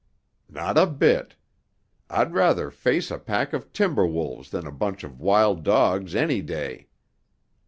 "Not a bit. I'd rather face a pack of timber wolves than a bunch of wild dogs any day.